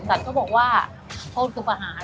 แต่ก็บอกว่าโทษคือประหาร